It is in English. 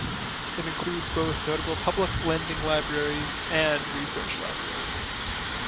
It includes both notable public lending libraries and research libraries.